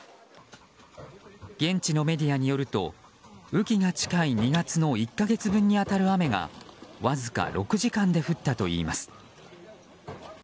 現地のメディアによると雨季が近い２月の１か月分に当たる雨がわずか６時間で降ったといいます。